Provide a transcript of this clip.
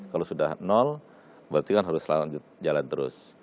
kalau sudah nol berarti kan harus jalan terus